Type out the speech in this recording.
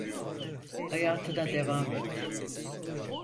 Hayatına devam et.